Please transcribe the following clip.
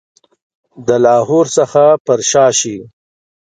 د لاهور څخه پر شا شي.